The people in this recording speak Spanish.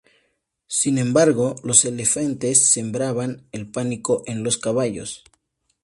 Sin embargo, los elefantes sembraban el pánico en los caballos.